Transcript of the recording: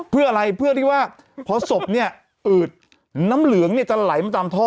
เพื่ออะไรเพื่อที่ว่าพอศพเนี่ยอืดน้ำเหลืองเนี่ยจะไหลมาตามท่อ